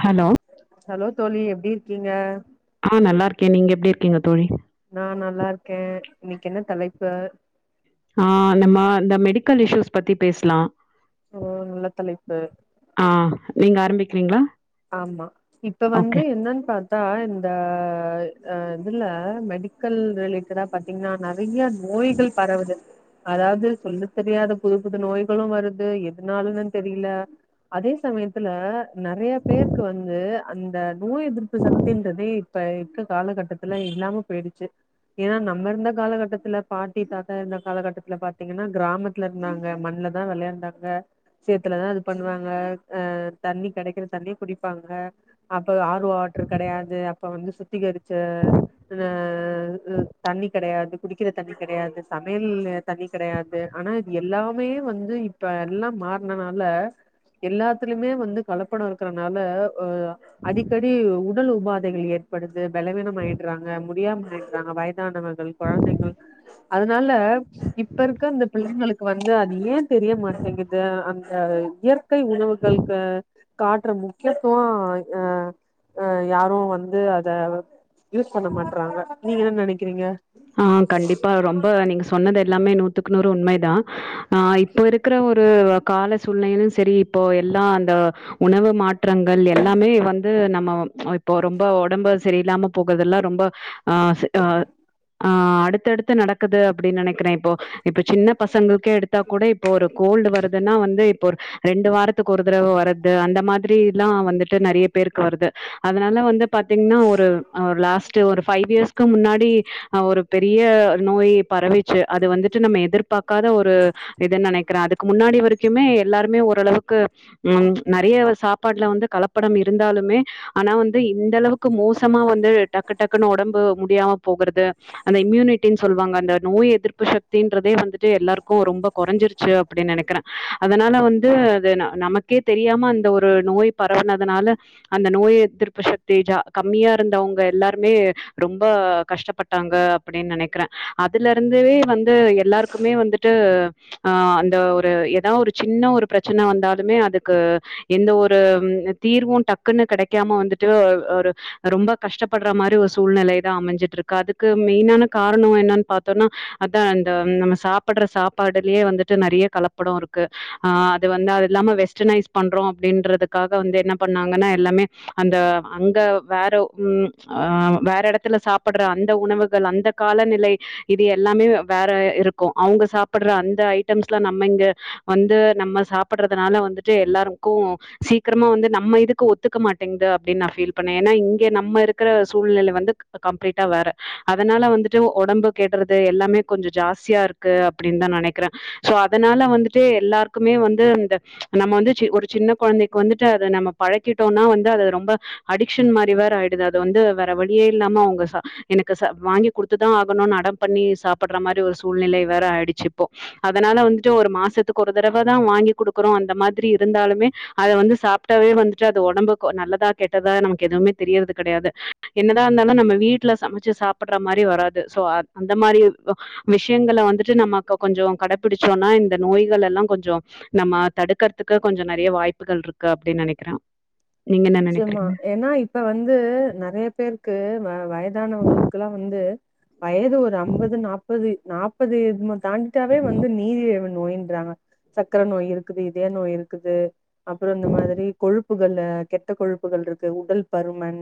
Hello hello தோழி எப்டி இருக்கீங்க ஆ நல்லாருக்கே நீங்க எப்டி இருக்கீங்க தோழி நா நல்லார்க்கே இன்னைக்கு என்ன தலைப்பு ஆ நம்ம இந்த மெடிக்கல் இஷூஸ் பத்தி பேஸ்லா ம் நல்ல தலைப்பு ஆ நீங்க ஆரம்பிக்றிங்ளா ஆமா இப்ப வந்து என்னன் பாத் த்தா இந்த அ இதுல மெடிக்கல் ரிலேட்டடா பாத்திங்னா நெறைய நோய்கள் பரவுது அதாவது சொல்ல தெரியாத புது புது நோய்களு வருது எதுனாலன்னு தெரில அதே சமயத்துல நெறைய பேருக்கு வந்து அந்த நோய் எதிர்ப்பு சக்தின்றதே இப்ப இருக்க காலகட்டத்துல இல்லாம பேயிடுச்சி ஏனா நம்ம இருந்த காலகட்டத்துல பாட்டி தாத்தா இருந்த காலகட்டத்துல பாத்தீங்கன்னா கிராம த்ல இருந்தாங்க மண்ல தா வெளயாண்டாங்க சேத்துலதா இது பண்ணுவாங்க அ தண்ணி கெடைக்கற தண்ணிய குடிப்பாங்க அப்போ ஆர்வோ வாட்ரு கெடையாது அப்ப வந்து சுத்திகரிச்ச இது அ தண்ணி கெடையாது குடிக்கிற தண்ணி கெடையாது சமையல்லு தண்ணி கெடையாது ஆனா இது எல்லாமே வந்து இப்ப எல்லா மாறுனனால எல்லாத்துலயுமே வந்து கலப்படோ இருக்கறனால ஆ அடிக்கடி உப் உடல் உபாதைகள் ஏற்படுது பலவீனம் ஆயிடுறாங்க முடியாம ஆயிடுறாங்க வயதானவர்கள் கொழந்தைகள் அதனால இப்ப இருக்க அந்த பிள்ளைங்களுக்கு வந்து அது ஏன் தெரிய மாட்டேங்குது அந்த இயற் கை உணவுகள்க்கு காட்ற முக்கியத்துவோ ஆ ஆ யாரு வந்து அத யூஸ் பண்ண மாட்றாங்க நீங்க என்ன நெனைக்கிறீங்க ஆ கண்டிப்பா ரொம்ப நீங்க சொன்னது எல்லாமே நூத்துக்கு நூறு உண்மைதா ஆ இப்போ இருக் கற ஒரு கால சூழ்நிலையிலு சரி இப்போ எல்லா அந்த உணவு மாற்றங்கள் எல்லாமே வந்து நம்ம ஆ இப்போ ரொம்ப ஒடம்பு சரியில்லாம போகுறதுல்லா ரொம்ப ஆ செ அ ஆ அடுத்தடுத்து நடக்குது அப்டி நெனக்கிறே இப்போ இப்ப சின்ன பசங்களுக்கே எடுத்தா கூட இப்போ ஒரு கோல்டு வருதுன்னா வந்து இப்போ ஒரு ரெண்டு வாரத் துக்கு ஒரு தடவ வரது அந்த மாதிரில்லா வந்துட்டு நெறைய பேருக்கு வருது அதனால வந்து பாத்தீங்கன்னா ஒரு ஆ லாஸ்ட்டு ஒரு ஃபைவ் இயர்ஸ்க்கு முன்னாடி அ ஒரு பெரிய நோய் பரவி ச்சு அது வந்துட்டு நம்ம எதிர்பாக்காத ஒரு இதுன்னு நெனக்கிறே அதுக்கு முன்னாடி வரைக்குமே எல்லாருமே ஓரளவு க்கு ம் நெறையா சாப்பாடுல வந்து கலப்படம் இருந்தாலுமே ஆனா வந்து இந்த அளவுக்கு மோசமா வந்து டக்கு டக்குன்னு ஒடம்பு முடியாம போகுறது அந்த இம்யூனிட்டின் சொல்வாங்க அந்த நோய் எதிர்ப்பு சக்தின்றதே வந்துட்டு எல்லாருக்கு ரொம்ப கொறஞ்சிரு ச்சு அப்டின்னு நெனக்கிறே அதனால வந்து அது ந நமக்கே தெரியாம அந்த ஒரு நோய் பரவுனதுனால அந்த நோய் எதிர்ப்பு சக்தி ஜ கம்மியா இருந்தவங்க எல்லாருமே ரொம்ப கஷ்டப்பட் டாங்க அப்டின்னு நெனக்கிறே அதுலருந்தே வந்து எல்லாருக்குமே வந்துட்டு ஆ அந்த ஒரு ஏதா ஒரு சின்ன ஒரு பிரச்சன வந்தாலுமே அதுக்கு எந்த ஒரு ம் அ தீர்வு டக்குன்னு கெடைக்காம வந்துட்டு ஒரு ரொம்ப கஷ்டப்படுற மாரி ஒரு சூழ்நெலைதா அமஞ்சிட்டுருக் கு அதுக்கு மெயினான காரணோ என்னன்னு பாத்தோனா அதா அந்த நம்ம சாப்படுற சாப்பாடுலயே வந்துட்டு நெறைய கலப்படோ இருக்கு ஆ அது வந்து அது இல்லாம வெஸ்டர்னைஸ் பண்றோ அப்டின்றதுக்காக வந்து என்ன பண்ணாங்கன்னா எல்லாமே அந்த அங்க வேற ம் அ வேற எடத்துல சாப் படுற அந்த உணவுகள் அந்த காலநிலை இது எல்லாமே வேற இருக்கு அவங்க சாப்பட்ற அந்த ஐட்டம்ஸ்லா நம்ம இங்க வந்து நம்ம சாப்பட்றதுனால வந்துட்டு எல்லாருக்கு சீக்கிரமா வந்து நம்ம இதுக்கு ஒத்துக்க மாட்டேங்குது அப்டின்னு நான் ஃபீல் பண்ணே ஏன்னா இங்க நம்ம இருக்கற சூழ்நில வந்து கம்ப்ளீட்டா வேற அதனால வந்துட்டு ஒடம்பு கெடுறது எல்லாமே கொஞ்ச ஜாஸ்தியா இருக்கு அப்டின்தா நெனக்கிறே சோ அதனால வந்துட்டு எல்லாருக்குமே வந்து அந்த நம்ம வந்து சி ஒரு சின்ன கொழந்தைக்கி வந்துட்டு அது நம்ம பழக்கிட்டோன்னா வந்து அது ரொம்ப அடிக்ஷன் மாரி வேற ஆயிடுது அது வந்து வேற வழியே இல்லாம அவங்க சா எனக்கு சா வாங்கி குடுத்துதா ஆகணுனு அடம் பண்ணி சாப்பிட்ற மாரி ஒரு சூழ்நிலை வேற ஆயிடுச்சு இப்போ அதனால வந்துட்டு ஒரு மாசத்துக்கு ஒரு தடவதா வாங்கி குடுக்குறோ அந்த மாதிரி இருந்தாலுமே அத வந்து சாப்ட்டாவே வந்துட்டு அது ஒடம்புக்கு நல்லதா கெட்டதா நமக்கு எதுவுமே தெரியறது கெடையாது என்னதா இருந்தாலு நம்ம வீட்ல சமச்சு சாப்பட்ற மாரி வராது சோ அ அந்த மாரி அ விஷயங்கள வந்துட்டு நமக்கு கொஞ்சோ கடபிடிச்சோன்னா இந்த நோய்களல்லா கொஞ்சோ நம்ம தடுக்கறதுக்கு கொஞ்சோ நெறைய வாய்ப்புகள் இருக்கு அப்டின்னு நெனக்கிறோ நீங்க என்ன நிச்சயமா நெனக்கிறீங்க ஏன்னா இப்ப வந்து நெறைய பேருக்கு வ வயதானவங்களுக்குல்லா வந்து வயது ஒரு ஐம்பது நாப்பது நாப்பது இ தாண்டிட்டாவே வந்து நீரிழிவு நோய்ன்றாங்க சக்கர நோய் இருக்குது இதய நோய் இருக்குது அப்றோ இந்த மாதிரி கொழுப்புகள்ல கெட் ட்ட கொழுப்புகள் இருக்கு உடல் பருமன்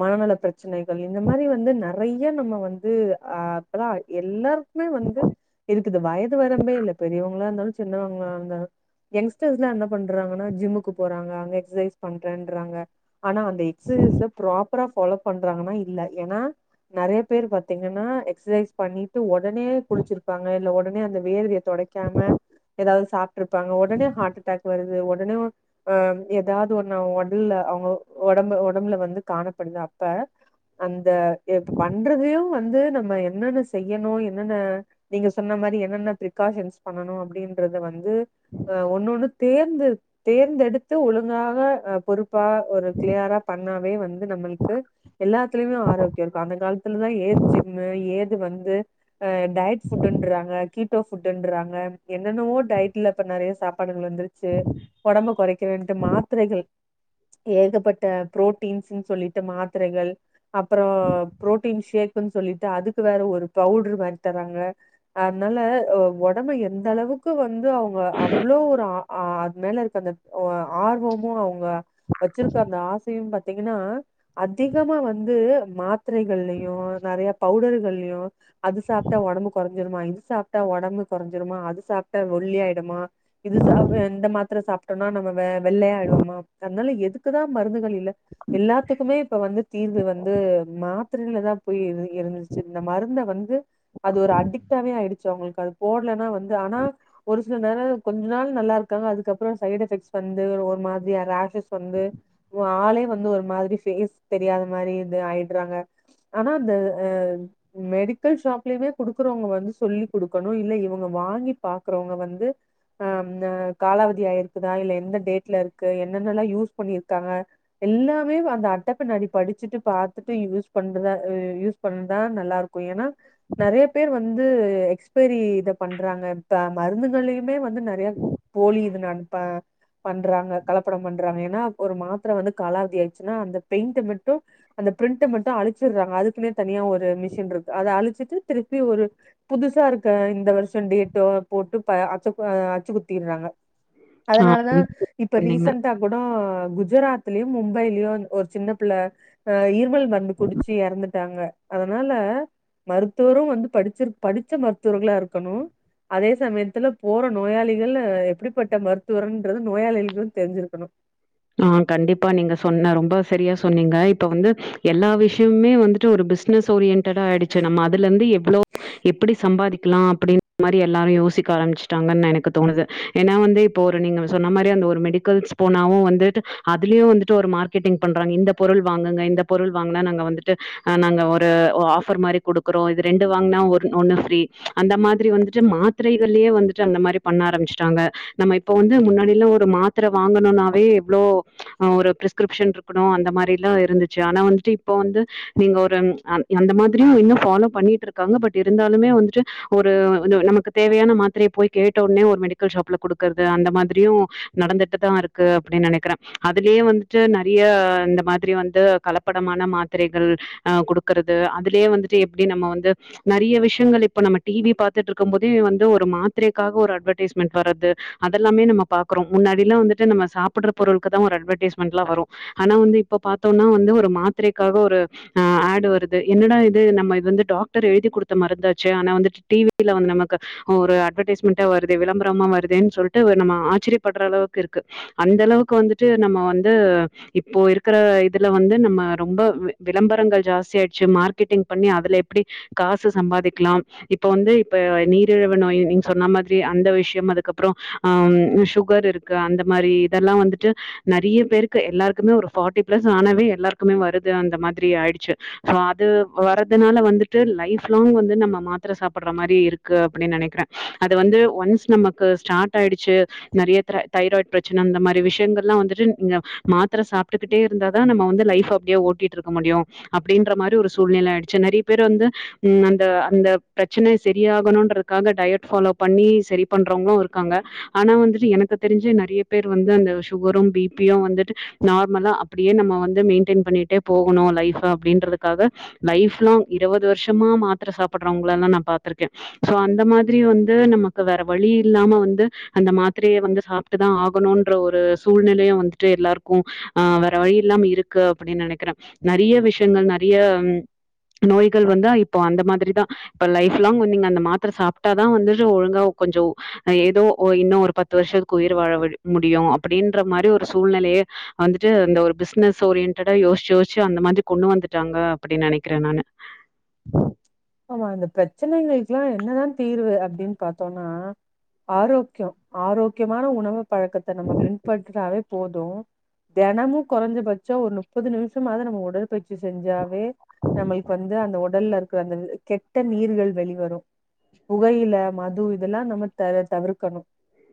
மனநல பிரச்சனைகள் இந்த மாரி வந்து நெறையா நம்ம வந்து அ இப்பதா எல்லாரு க்குமே வந்து இருக்குது வயது வரம்பே இல்ல பெரியவங்களாருந்தாலு சின்னவங்களாருந்தாலு எங்ஷ்டர்ஸ்லா என்ன பண்றாங்கன்னா ஜிம்முக்கு போறாங்க அங்க எக்ஸசைஸ் பண்றேன் றாங்க ஆனா அந்த எக்ஸசைஸ ப்ராப்பரா ஃபாலோ பண்றாங்கன்னா இல்ல ஏன்னா நெறய பேர் பாத்தீங்கன்னா எக்ஸசைஸ் பண்ணிட்டு உடனே குளிச்சிருப்பாங்க இல்ல உடனே அந்த வேர்வய தொடைக்காம ஏதாவது சாப்ட்டுருப்பாங்க உடனே ஹார்ட் அட்டாக் வருது உடனே ஆ ஏதாவது ஒண்ணு ஓடல்ல அவுங்க ஒடம்பு ஒடம்புல வந்து காணப்படுது அப்ப அந்த இப்ப பண்றதையு வந்து நம்ம என்னென்ன செய்யணு என்னென்ன நீங்க சொன்ன மாரி என்னென்ன ப்ரிகாஷன்ஸ் பண்ணணு அப்டின்றது வந்து அ ஒன்னு ஒன்னு தேர்ந்து தேந்தெடுத்து ஒழுங்காக அ பொறுப் ப்பா ஒரு க்ளியரா பண்ணாவே வந்து நம்மளுக்கு எல்லாத்துலயுமே ஆரோக்கியோ தா அந்த காலத் துல தா ஏது ஜிம்மு ஏது வந்து அ டயட் ஃபுட்ன்றாங்க கீட்டோ ஃபுட்டுன்றாங்க என்னென்னவோ டயட்ல இப்ப நறைய சாப்பாடுகள் வந்துரு ச்சி உடம்ப குறைக்கறண்ட்டு மாத்தரைகள் ஏகப்பட்ட ப்ரோட்டீன்ஸ்ன் சொல்லிட்டு மாத்தரைகள் அப்றோ ப்ரோட்டீன் ஷேக்ன்னு சொல்லிட்டு அதுக்கு வேற ஒரு பவுட்ரு மாரிதறாங்க அதுனால உடம்ப எந்த அளவுக்கு வந்து அவங்க அவ்ளோ ஒரு அ அது மேல இருக்க அந்த ஆர்வமு அவங்க வச்சிருக்க அந்த ஆசையு பாத்தீங்கன்னா அதிகமா வந்து மாத்தரைகள்லயு நறையா பவ்டர்கள்ளையு அது சாப்ட்டா ஒடம்பு கொறஞ்சிருமா இது சாப்ட்டா ஒடம்பு கொறஞ்சிருமா அது சாப்ட்டா ஒல்லியாய்டுமா இது சாப் இந்த மாத்திர சாப்பிட்டோன்னா நம்ப வெள்ளையாடுவோமா அதுனால எது எதுக்கு தா மருந்துகள் இல்ல எல்லாத்துக்குமே இப்ப வந்து தீர்வு வந்து மாத்தரைல தா போய் இரு இருந்துச்சு இந்த மருந்த வந்து அது ஒரு அடிக்டாவே ஆயிடுச்சு அவங்ளுக்கு அது போட்லன்னா வந்து ஆனா ஒரு சில நேரோ கொஞ்ச நாள் நல்லா இருக்காங்க அதுக்கப்றோ சைட் எஃபெக்ட்ஸ் வந்து ஒரு மாரியா ரேஷஸ் வந்து ஆளே வந்து ஒரு மாதிரி பேஸ் தெரியாத மாரி இது ஆயிட்றாங்க ஆனா அந்த அ மெடிக்கல் ஷாப்லயுமே குடுக்குறவங்க வந்து சொல்லி குடுக்கணு இல்ல இவங்க வாங்கி பாக்குறவங்க வந்து அம் இந்த காலாவதி ஆயிருக்குதா அ இல்ல எந்த டேட்ல இருக்கு என்னனெல்லா யூஸ் பண்ணிருக்காங்க எல்லாமே அந்த அட்ட பின்னாடி படிச்சுட்டு பாத்துட்டு யூஸ் பண்ற அ யூஸ் சொந்தா நல்லா இருக்கு ஏன்னா நறைய பேர் வந்து எக்ஸ்பெரி இத பண்றாங்க இப்ப மருந்துகள்ளயுமே வந்து நறையா போலி இது நட்பா பண்றாங்க கலப்படோ பண்றாங்க இப்போ ஒரு மாத்தர வந்து காலாவதி ஆய்டுச்சுன்னா அந்த பெயிண்ட்ட மட்டு அந்த ப்ரிண்ட்ட மட்டு அழிச்சிர்றாங்க அதுக்குன்னே தனியா ஒரு மிஷின் இருக்கு அத அழிச்சிட்டு திருப்பி ஒரு புதுசா இருக்க இந்த வர்ஷோ டேட்டோ போட்டு ப அச்சப்ப அச்சு குத்திட்றாங்க ஆ அதனாலதா ரொம்ப இப்ப சொன்னீங்க ரிசன்ட்டா ஆ குஜராத்லயு மும்பைலயு ஒரு சின்ன பிள்ள அ இருமல் மருந்து குடிச்சு எறந்துட்டாங்க அதனால மருத்துவரு வந்து படிச்சிர் படிச்ச மருத்துவர்களா இருக்குணு அதே சமயத்துல போற நோயாளிகள் எப்டிப்பட்ட மருத்துவர்ன்றது நோயாளிகளு தெரிஞ்சிருக்கனு ஆ கண்டிப்பா நீங்க சொன்ன ரொம்ப சரியா சொன்னீங்க இப்ப வந்து எல்லா விஷ்யமுமே வந்துட்டு ஒரு பிஸ் னஸ் ஓரியன்டடா ஆய்டுச்சு நம்ம அதுல இருந்து எவ்ளோ எப்டி சம்பாதிக்லா அப்டின்ற மாரி எல்லாரு யோசிக்க ஆரம்பிச்சுட்டாங்கன்னு எனக்கு தோணுது ஏனா வந்து இப்போ ஒரு நீங்க சொன்ன மாரி அந்த ஒரு மெடிக்கல்ஸ் போனாவு வந்துட்டு அதுலயு வந்துட்டு ஒரு மார்க்கெட்டிங் பண்றாங்க இந்த பொருள் வாங்குங்க இந்த பொருள் வாங்னா நாங்க வந்துட்டு நாங்க ஒரு ஆஃபர் மாரி குடுக்குறோ இது ரெண்டு வாங்னா ஒரு ஒன்னு ஃப்ரீ அந்த மாதிரி வந்துட்டு மாத் த்ரைகள்லே வந்துட்டாங்க அந்த மாரி பண்ண ஆரம்மிச்ட்டாங்க நம்ம இப்ப வந்து முன்னாடிலா ஒரு மாத்தர வாங்கணுனாவே எவ்ளோ அ ஒரு ப்ரிஸ்கிரிப்ஷன் இருக்குணு அந்த மாரிலா இருந்துச்சு ஆனா வந்துட்டு இப்ப வந்து நீங்க ஒரு அந் அந்த மாதிரியு இன்னு ஃபாலோ பண்ணிட்ருக்காங்க பட் இருந்தாலுமே வந்துட்டு ஒரு இது நமக்கு தேவையான மாத்ரைய போய் கேட்ட ஒடனே ஒரு மெடிக்கல் ஷாப்ல குடுக்குறது அந்த மாதிரியு நடந்துட்டு தா இருக்கு அப்டின் நெனக்கிறே அதுலயே வந்துட்டு நெறைய இந்த மாதிரி வந்து கலப்படமான மாத்ரைகள் அ குடுக்றது அதுலே வந்துட்டு எப்டி நம்ம வந்து நெறைய விஷயங்கள் இப்ப நம்ம டிவி பாத்துட்ருக்கும் போதே வந்து ஒரு மாத்ரைக்காக ஒரு அட்வர்டைஸ்மெண்ட் வறது அதெல்லாமே நம்ம பாக்குறோ முன்னாடில வந்துட்டு நம்ம சாப்பட்டற பொருளுக்கு தா ஒரு அட்வர்டைஸ்மென்ட்லா வரு ஆனா வந்து இப்ப பாத்தோனா வந்து ஒரு மாத்ரைக்காக ஒரு ஆ ஆட்டு வருது என்னடா இது நம்ம இது வந்து டாக்டர் எழுதி குடுத்த மருந்தாச்சே ஆனா வந்துட்டு டி வில வந்து நமக்கு ஒரு அட்வர்டைஸ்மெண்ட்டா வருதே விளம்பரமா வருதேன்னு சொல்ட்டு நம்ம ஆச்சிரியப்பட்ற அளவுக்கு இருக்கு அந்த அளவுக்கு வந்துட்டு நம்ம வந்து இப்போ இருக்கிற இதுல வந்து நம்ம ரொம்ப வி விளம்பரங்கள் ஜாஸ்தி ஆயிட்ச்சி மார்க்கெட்டிங் பண்ணி அதுல எப்டி காசு சம்பாதிக்லா இப்ப வந்து இப்ப நீரிழவு நோய் நீங்க சொன்னா மாதிரி அந்த விஷ்யம் அதுக்கப்றோ ஆம் சுகர் இருக்கு அந்த மாதிரி இதெல்லா வந்துட் டு நெறைய பேருக்கு எல்லாருக்குமே ஒரு பார்ட்டி பிளஸ் ஆனவே எல்லாருக்குமே வருது அந்த மாதிரி ஆயிடுச்சி சோ அது வறதுனால வந்துட்டு லைஃப் லாங் வந்து நம்ம மாத்ர சாப்பட்ற மாரி இரு க்கு அப்டின் நெனக்கிறே அது வந்து ஒன்ஸ் நமக்கு ஸ்டார்ட் ஆயிடுச்சி நெறைய த்ர தைராய்ட் பிரச்சன அந்த மாரி விஷ் யங்கள்லா வந்துட்டு ந மாத்ர சாப்டுகிட்டே இருந்தாதா நம்ம வந்து அப்டியே ஓட்டிட் இருக்க முடியு அப்டின்ற மாரி ஒரு சூழ்நில ஆயிடுச்சு நெறைய பேர் வந்து ம் அந்த அந்த பிரச்சன செரியாகணுன்றதுக்காக டயட் ஃபாலோ பண்ணி செரி பண்றவங்களு இருக்காங்க ஆனா வந்துட்டு எனக்கு தெரிஞ்சி நெறைய பேர் வந்து அந்த சுகரு பி பியு வந்துட்டு நார்மலா அப்டியே நம்ம வந்து மெயின்டெயின் பண்ணிட்டே போகனு லைஃப்ப அப்டின்றதுகாக லைஃப் லாங் இருவது வருஷமா மாத்ர சாப்பட்றவங்களலா நா பாத்ருக்கே சோ அந்த மாதிரி வந்து நமக்கு வேற வழி இல்லாம வந்து அந்த மாத்ரய வந்து சாப்ட்டு தா ஆகணுன்ற ஒரு சூழ்நிலயு வந்துட்டு எல்லார்க்கு ஆ வேற வழி இல்லாம இருக்கு அப்டின் நெனக்கிறே நெறைய விஷயங்கள் நெறைய நோய்கள் வந்தா இப்போ அந்த மாதிரிதா இப்ப லைஃப் லாங் நீங்க அந்த மாத்ர சாப்ட்டாதா வந்துட்டு ஒழுங்கா கொஞ்சோ ஏதோ ஓ இன்னு ஒரு பத்து வருஷத்துக்கு உயிர் வாழ விடு முடியு அப்டின்ற மாரி ஒரு சூழ்நிலயே வந்துட்டு இந்த ஒரு ஓரியன்டடா யோஷ்ச்சு யோஷ்ச்சு அந்த மாதிரி கொண்டு வந்துட்டாங்க அப்டின் நெனக்கிறே நானு ஆஹ ஆமா அந்த பிரச்சனைகளுக்கெல்லா என்னதா தீர்வு அப்டின் பாத்தோனா ஆரோக்கியோ ஆரோக்கியமான உணவு பழக்கத்த நம்ம பின்பற்றனாவே போது தெனமு கொறஞ்ச பட்சா ஒரு முப்பது நிமிஷ்மாது நம்ம உடற்பயிற்சி செஞ்சாவே நம்மளுக்கு வந்து அந்த உடல்ல இருக்கிற அந்த கெட்ட நீர்கள் வெளிவரு புகையில மது இதெல்லா நம்ம தர தவிர்க்கணு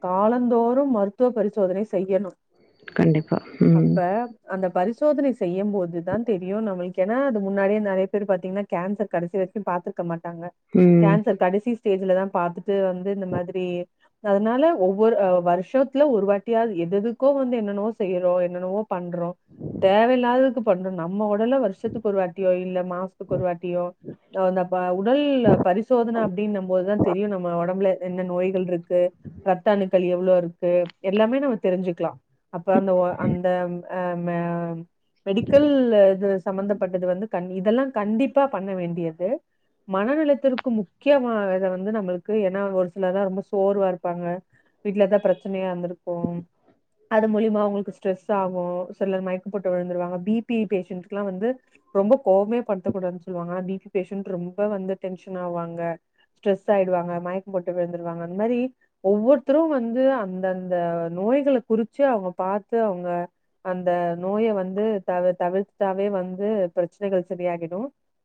காலந்தோறு மருத்துவ பரிசோதனை செய்யனு கண்டிப்பா. அப்ப ம். அந்த பரிசோதனை செய்யம் போதுதா தெரியு நம்மளுக்கு என் ன்ன அது முன்னாடியே நெறைய பேர் பாத்தீங்கன்னா கேன்சர் கடைசி வரைக்கு பாத்துருக்கமாட்டாங்க ம். கேன்சர் கடைசி ஸ்டேஜ்லதா பாத்துட்டு வந்து இந்த மாதிரி அதனால ஒவ்வொரு வருஷ்த்துல ஒரு வாட்டியாவது எத எதுக்கோ வந்து என்னென்னவோ செய்றோ என்னென்னவோ பண்றோ தேவையில்லாததுக் பண்ணு நம்ம உடல்ல வருஷத்துக்கு ஒருவாட்டியோ இல்ல மாசத்துக்கு ஒருவாட்டியோ அப்ப உடல் பரிசோதன அப்பிடின்னு போதா தெரியு நம்ம ஒடம்புல என்ன நோய்கள் இருக் க்கு ரத்த அணுக்கள் எவ்ளோ இருக்கு எல்லாமே நம்ம தெரிஞ்சிக்கலா அப்ப அந்த ஒ அந்த ஆ மெ மெடிக்கல் இது சம்மந்தபட்டது வந்து கண் இதெல்லா கண்டிப்பா பண்ண வேண்டியது மனநிலத்திற்கு முக்கியமா இத வந்து நம்மளுக்கு ஏன்னா ஒரு சிலர்லா ரொம்ப சோர்வா இருப்பாங்க வீட்ல எதா பிரச்சனையா வந்திருக்கோ அது மூழிமாவு அவங்களுக்கு ஸ்ட்ரெஸ் ஆகு சில மயக்க போட்டு விழுந்துருவாங்க பிபி பேஷண்டக்கு எல்லா வந்து ரொம்ப கோவமே படுத்தக்கூடாதுன் சொல்லுவாங்க ஆனா பீபி பேஷன் ரொம்ப வந்து டென்ஷன் ஆவாங்க ஸ்டெரஸ் ஆயிடுவங்க மயக்கம் போட்டு விழுந்துருவாங்க அந்த மாரி ஒவ்வொருத்தரு வந்து அந்தந்த நோய்கள குறிச்சி அவங்க பாத்து அவங்க அந்த நோய வந்து தவி தவிர்த்ட்டாவே வந்து பிரச்சனைகள் சரியாகிடு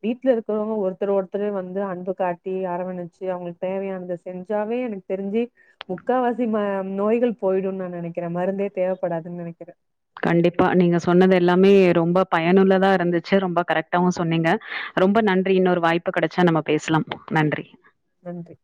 வீட்ல இருக் க்கறவங்க ஒருத்தர் ஒருத்தரே வந்து அன்பு காட்டி அரவணிச்சி அவங்களுக்கு தேவையானத செஞ்சாவே எனக்கு தெரிஞ்சி முக்காவாசி ம நோய்கள் போயிடுனு நா நெனைக்கிறே மருந்தே தேவைப்படாதுன் நெனைக்கிறே கண்டிப்பா நீங்க சொன்னது எல்லாமே ரொம்ப பயனுள்ளதா இருந்துச்சி ரொம்ப கரெக்ட்டாவு சொன்னீங்க ரொம்ப நன்றி இன்னொரு வாய்ப்பு கெடச்சா நம்ம பேசலாம் நன்றி நன்றி